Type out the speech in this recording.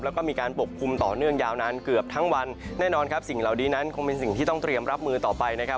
แล้วก็มีการปกคลุมต่อเนื่องยาวนานเกือบทั้งวันแน่นอนครับสิ่งเหล่านี้นั้นคงเป็นสิ่งที่ต้องเตรียมรับมือต่อไปนะครับ